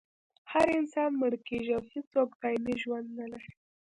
هر انسان مړ کیږي او هېڅوک دایمي ژوند نلري